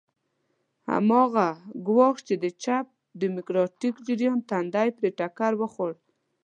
هماغه ګواښ چې د چپ ډیموکراتیک جریان تندی پرې ټکر وخوړ.